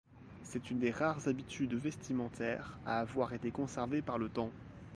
C'est une des rares habitudes vestimentaires à avoir été conservée par le temps.